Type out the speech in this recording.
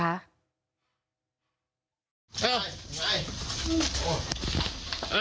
ยายลมแล้ว